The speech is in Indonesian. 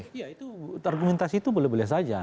iya itu argumentasi itu boleh boleh saja